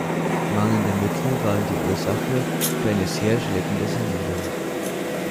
Mangelnde Mittel waren die Ursache für eine sehr schleppende Sanierung.